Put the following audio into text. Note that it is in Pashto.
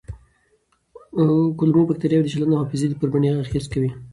کولمو بکتریاوې د چلند او حافظې پر بڼې اغېز کوي.